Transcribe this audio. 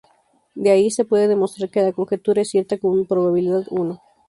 De ahí, se puede demostrar que la conjetura es cierta con probabilidad uno.